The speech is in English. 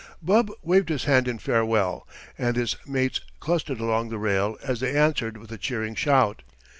Bub waved his hand in farewell, and his mates clustered along the rail as they answered with a cheering shout.